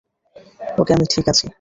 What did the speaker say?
ওকে, আমি ঠিক আছি!